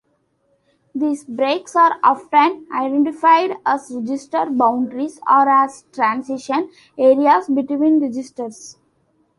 These breaks are often identified as register boundaries or as transition areas between registers.